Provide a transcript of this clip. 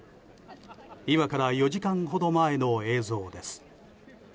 今から４時間ほど前の映像です。